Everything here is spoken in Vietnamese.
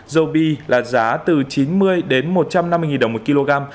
râu bi là giá từ chín mươi một trăm năm mươi đồng một kg